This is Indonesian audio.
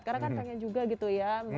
karena kan kangen juga gitu ya